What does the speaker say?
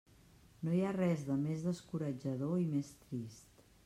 No hi ha res de més descoratjador i més trist!